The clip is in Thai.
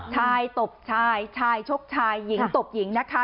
ตบชายชายชกชายหญิงตบหญิงนะคะ